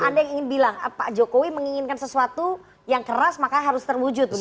anda yang ingin bilang pak jokowi menginginkan sesuatu yang keras makanya harus terwujud